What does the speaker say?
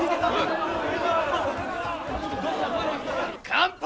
乾杯！